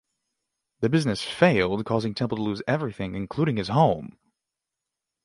The business failed causing Temple to lose everything, including his home.